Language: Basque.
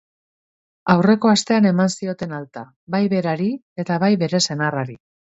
Aurreko astean eman zioten alta, bai berari, eta bai bere senarrari.